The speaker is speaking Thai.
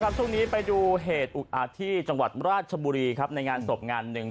ช่วงนี้ไปดูเหตุอุกอาจที่จังหวัดราชบุรีครับในงานศพงานหนึ่ง